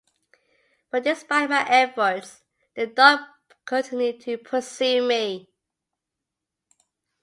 But despite my efforts, the dog continued to pursue me.